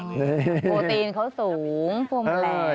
โอ้โฮโปรตีนเขาสูงพวงแมลง